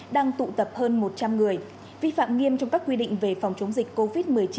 đang tụ tập hơn một trăm linh người vi phạm nghiêm trọng các quy định về phòng chống dịch covid một mươi chín